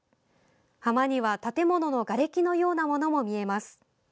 浜には、建物のがれきのようなものも見えます。